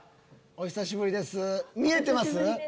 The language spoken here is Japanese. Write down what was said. お久しぶりです見えてます？